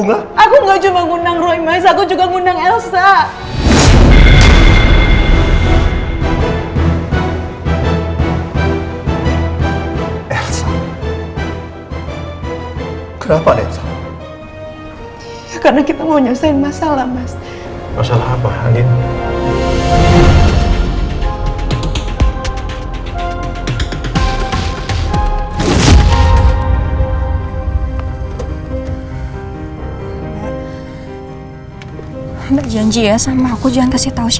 aku ingin sendiri dulu